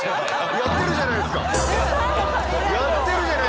やってるじゃないですか！